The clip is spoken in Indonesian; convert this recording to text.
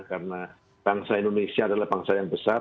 karena bangsa indonesia adalah bangsa yang besar